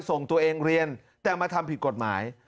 ส่งตัวเองเรียนแต่มาทำผิดกฎหมาย